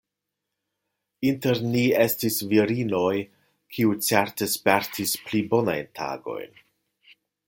Inter ni estis virinoj, kiuj certe spertis pli bonajn tagojn.